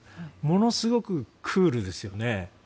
ものすごくクールですよね。